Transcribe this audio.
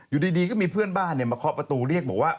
อยู่ดีก็มีเพื่อนบ้านมาเคาะประตูเรียกบอกว่า